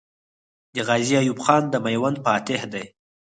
غازي ایوب خان د میوند فاتح دی.